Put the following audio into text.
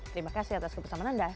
terima kasih atas kebersamaan anda